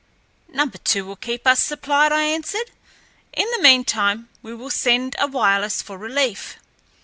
"Number two will keep us supplied," I answered. "In the meantime we will send a wireless for relief."